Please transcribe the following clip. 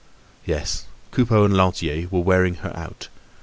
Yes, Coupeau and Lantier were wearing her out.